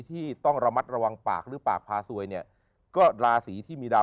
ที่ต้องระมัดระวังปากหรือปากพาซวยเนี่ยก็ราศีที่มีดาว